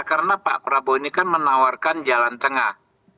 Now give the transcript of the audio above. karena pak prabowo ini kan menawarkan jalan tengah